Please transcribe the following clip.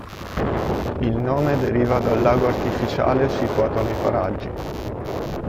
Il nome deriva dal lago artificiale situato nei paraggi.